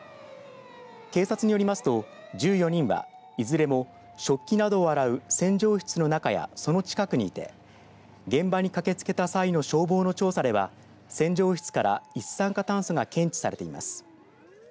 警察によりますと１４人はいずれも食器などを洗う洗浄室の中やその近くにいて、現場に駆けつけた際の消防の調査では洗浄室から一酸化炭素が検知されています。